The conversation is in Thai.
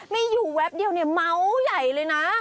มีอยู่แวบเดียวเนี่ยเมาส์ใหญ่เลยนะ